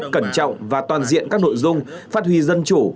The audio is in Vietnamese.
cẩn trọng và toàn diện các nội dung phát huy dân chủ